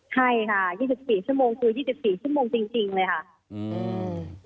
ใช่ค่ะ๒๔ชั่วโมงคือ๒๔ชั่วโมงจริงเลยค่ะอืม